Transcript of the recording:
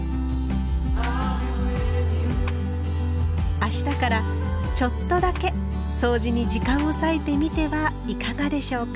明日からちょっとだけそうじに時間を割いてみてはいかがでしょうか？